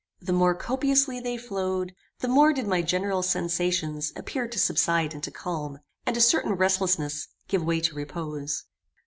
The more copiously they flowed, the more did my general sensations appear to subside into calm, and a certain restlessness give way to repose.